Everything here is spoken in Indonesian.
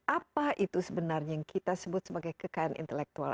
apa itu sebenarnya yang kita sebut sebagai kekayaan intelektual